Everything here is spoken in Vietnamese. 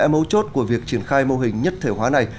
mấu chốt của việc triển khai mô hình nhất thể hóa này